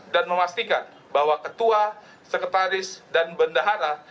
dan memastikan bahwa ketua sekretaris dan bendahara